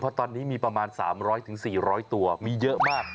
เพราะตอนนี้มีประมาณ๓๐๐๔๐๐ตัวมีเยอะมาก